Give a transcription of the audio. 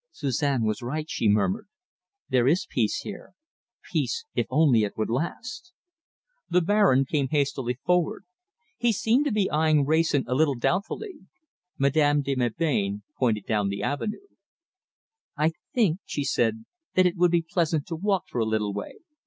"Suzanne was right," she murmured, "there is peace here peace, if only it would last!" The Baron came hastily forward. He seemed to be eyeing Wrayson a little doubtfully. Madame de Melbain pointed down the avenue. "I think," she said, "that it would be pleasant to walk for a little way.